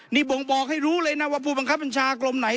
นี่บ่งบอกให้รู้เลยนะว่าผู้บังคับบัญชากรมไหน